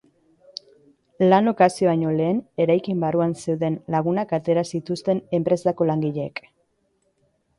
Lanok hasi baino lehen, eraikin barruan zeuden lagunak atera zituzten enpresako langileek.